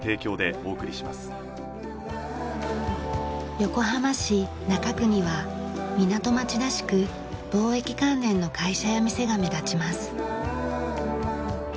横浜市中区には港町らしく貿易関連の会社や店が目立ちます。